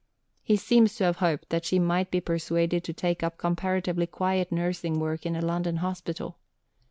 He seems to have hoped that she might be persuaded to take up comparatively quiet nursing work in a London hospital.